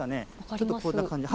ちょっとこんな感じで。